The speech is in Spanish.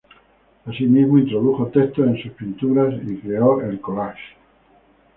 Asimismo introdujo textos en sus pinturas y creó el collage.